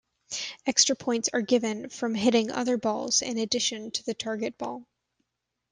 Extra points are given from hitting other balls in addition to the target ball.